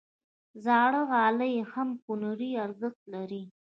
زاړه غالۍ هم هنري ارزښت لري.